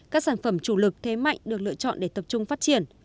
các sản phẩm chủ lực thế mạnh được lựa chọn để tập trung phát triển